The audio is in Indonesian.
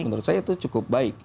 menurut saya itu cukup baik